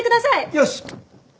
よし！